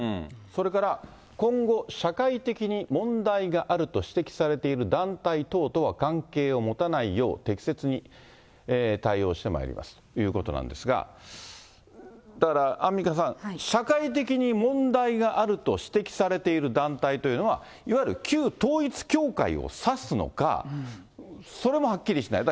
それから、今後、社会的に問題があると指摘されている団体等とは関係を持たないよう、適切に対応してまいりますということなんですが、だから、アンミカさん、社会的に問題があると指摘されている団体というのは、いわゆる旧統一教会を指すのか、それもはっきりしない。